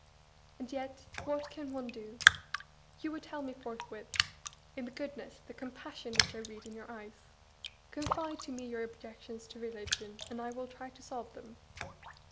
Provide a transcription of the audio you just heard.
And yet, what can one do? You would tell me forthwith, in the goodness, the compassion, which I read in your eyes; Confide to me your objections to religion, and I will try to solve them.